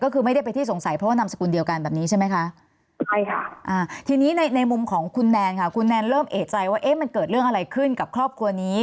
คุณแนนเริ่มเอกใจว่ามันเกิดเรื่องอะไรขึ้นกับครอบครัวนี้